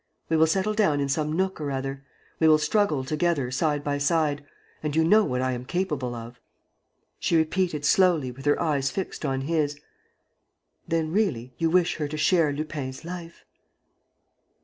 We will settle down in some nook or other. We will struggle together, side by side. And you know what I am capable of. ..." She repeated, slowly, with her eyes fixed on his: "Then, really, you wish her to share Lupin's life?"